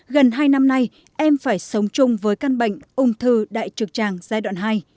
gần hai năm nay em phải sống chung với căn bệnh ung thư đại trực tràng giai đoạn hai